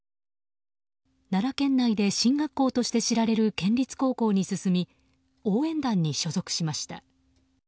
奈良県内で進学校と知られる県立高校に進み応援団に所属しました。